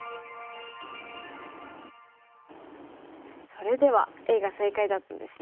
それではＡが正解だったんですね。